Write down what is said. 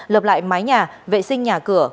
lập lại mái nhà vệ sinh nhà cửa